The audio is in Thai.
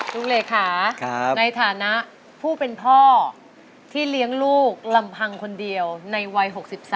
ลูกเลขาในฐานะผู้เป็นพ่อที่เลี้ยงลูกลำพังคนเดียวในวัย๖๓